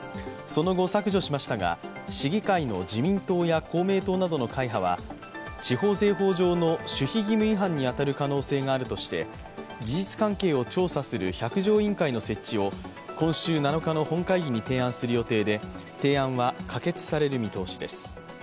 その後、削除しましたが、市議会の自民党や公明党などの会派は、地方税法上の守秘義務違反に当たる可能性があるとして事実関係を調査する百条委員会の設置を今週７日の本会議に提案する予定で提案は可決される見通しです。